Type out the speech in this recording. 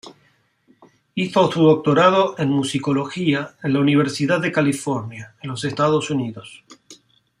Hizo su doctorado en Musicología en la Universidad de California en Los Estados Unidos.